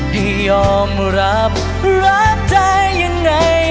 ให้ออมรับรับใจยังไง